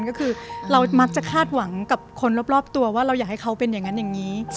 ก็คือเรามักจะคาดหวังกับคนรอบตัวว่าเราอยากให้เขาเป็นอย่างนั้นอย่างนี้